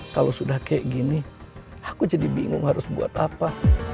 kalau sudah kayak gini aku jadi bingung harus buat apa